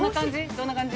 どんな感じ？